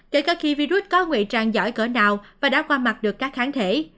kể cả khi virus có nguy trang giỏi cỡ nào và đã qua mặt được các kháng thể